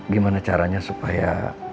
gimana caranya supaya